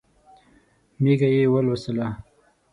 مېږه یې ولوسله.